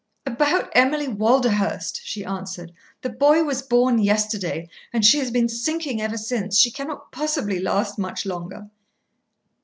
"About Emily Walderhurst," she answered. "The boy was born yesterday, and she has been sinking ever since. She cannot possibly last much longer."